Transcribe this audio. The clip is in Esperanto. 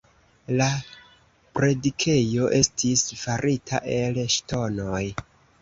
La predikejo estis farita el ŝtonoj.